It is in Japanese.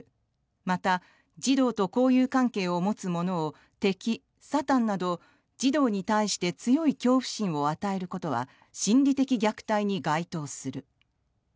また児童と交友関係を持つ者を敵、サタンなど児童に対して強い恐怖心を与えることは心理的虐待に該当する。